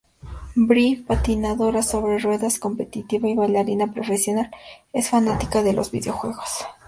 Bree, patinadora sobre ruedas competitiva y bailarina profesional, es fanática de los videojuegos.